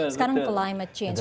sekarang climate change